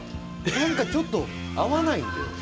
何かちょっと合わないんだよ。